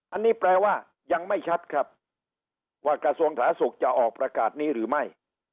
อันนี้แปลว่ายังไม่ชัดครับว่ากระทรวงสาธารณสุขจะออกประกาศนี้หรือไม่